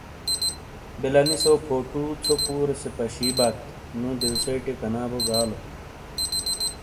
بلہ نیسو فوٹو ژھو پورے سے پشیبات نو دیوسیٹے کنابو گالو۔